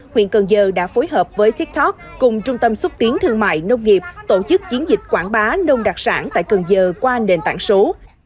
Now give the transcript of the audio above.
huyện cần giờ đã phối hợp với tiktok cùng trung tâm xúc tiến thương mại nông nghiệp tổ chức chiến dịch quảng bá nông đặc sản tại cần giờ qua nền tảng số